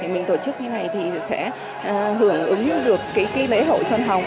mình tổ chức thế này thì sẽ hưởng ứng được kỳ lễ hậu sân hồng